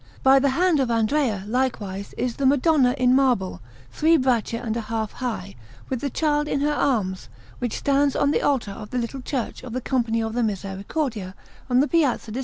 By the hand of Andrea, likewise, is the Madonna in marble, three braccia and a half high, with the Child in her arms, which stands on the altar of the little Church of the Company of the Misericordia, on the Piazza di S.